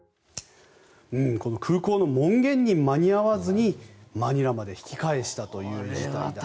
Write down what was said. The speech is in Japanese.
この空港の門限に間に合わずにマニラまで引き返したということです。